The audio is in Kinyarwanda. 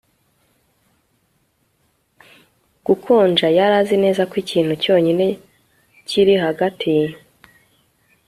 gukonja. yari azi neza ko ikintu cyonyine kiri hagati